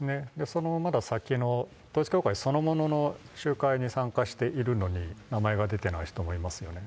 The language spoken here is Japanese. そのまだ先の統一教会そのものの集会に参加しているのに、名前が出てない人もいますよね。